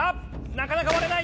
なかなか割れない。